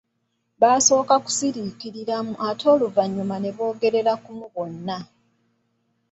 Baasooka kusiriikiriramu ate oluvanyuma ne boogerera kumu bonna.